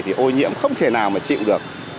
thì ô nhiễm không thể nào mà chịu được